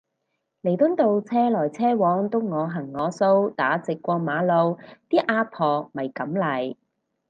彌敦道車來車往都我行我素打直過馬路啲阿婆咪噉嚟